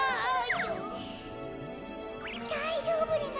だいじょうぶレナ？